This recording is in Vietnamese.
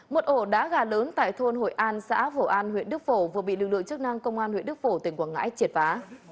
một ổ đá gà lớn tại thôn hội an xã phổ an huyện đức phổ vừa bị lực lượng chức năng công an huyện đức phổ tỉnh quảng ngãi triệt phá